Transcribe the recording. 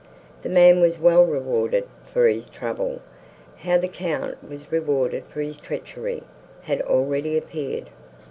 The man was well rewarded for his trouble; how the Count was rewarded for his treachery, had already appeared.